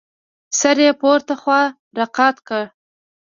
سر يې پورته خوا راقات کړ.